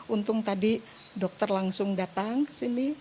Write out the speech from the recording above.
untung tadi dokter langsung datang ke sini